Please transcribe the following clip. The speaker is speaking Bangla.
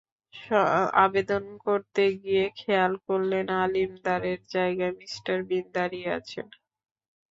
আবেদন করতে গিয়ে খেয়াল করলেন, আলিম দারের জায়গায় মিস্টার বিন দাঁড়িয়ে আছেন।